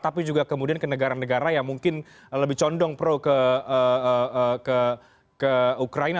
tapi juga kemudian ke negara negara yang mungkin lebih condong pro ke ukraina